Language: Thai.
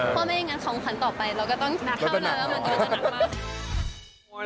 เพราะเป็นอย่างนั้นของขวัญต่อไปเราก็ต้องเท่านั้น